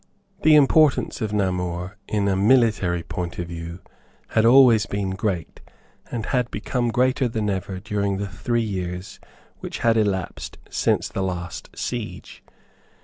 The importance of Namur in a military point of view had always been great, and had become greater than ever during the three years which had elapsed since the last siege.